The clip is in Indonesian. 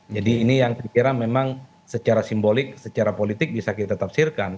jadi ini yang saya kira memang secara simbolik secara politik bisa kita tafsirkan